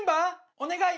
「お願い！